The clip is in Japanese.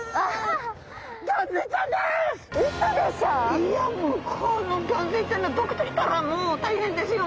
いやもうこのギョンズイちゃんの毒ときたらもう大変ですよ。